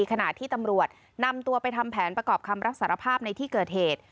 ขณะที่ตำรวจนำตัวไปทำแผนประกอบคำรับสารภาพในที่เกิดเหตุ